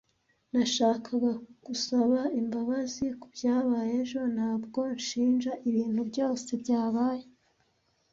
Nashakaga gusaba imbabazi kubyabaye ejo. Ntabwo nshinja ibintu byose byabaye.